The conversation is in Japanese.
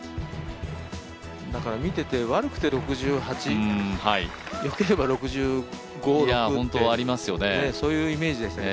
見てて、悪くて６８、良ければ６５、６ってそういうイメージでしたよね。